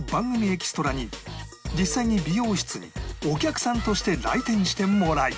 エキストラに実際に美容室にお客さんとして来店してもらい